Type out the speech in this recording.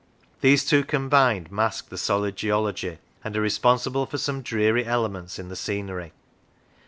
These two combined mask the solid geology, and are responsible for some dreary elements in the scenery.